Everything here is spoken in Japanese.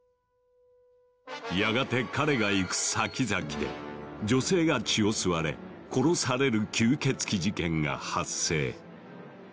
やがて彼が行く先々で女性が血を吸われ殺される吸血鬼事件が発生。